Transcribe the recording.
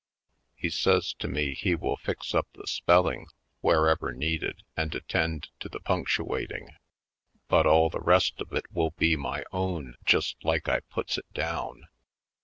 He says to me he will fix up the spelling wherever needed and attend to the punctu ating ; but all the rest of it will be my own just like I puts it down.